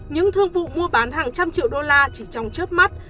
những thương vụ mua bán hàng trăm triệu đô la chỉ trong trước mắt